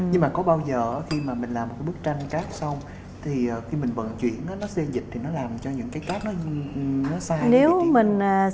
nhưng mà có bao giờ khi mà mình làm một cái bức tranh cát xong thì khi mình vận chuyển á nó xê dịch thì nó làm cho những cái cát nó sai như thế nào